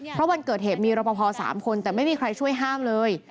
เพราะวันเกิดเหตุมีรปภ๓คนแต่ไม่มีใครช่วยห้ามเลย